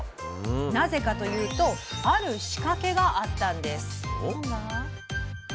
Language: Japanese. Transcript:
なぜかというとある仕掛けがあったんです。